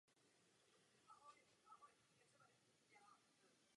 Zvláštní oddíl je věnován flóře na Kanárských ostrovech.